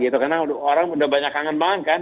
karena orang sudah banyak kangen banget kan